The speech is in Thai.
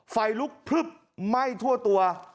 ไฟลุกพลึบไหม้ทั่วตัว